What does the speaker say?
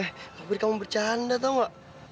hampir kamu bercanda tau gak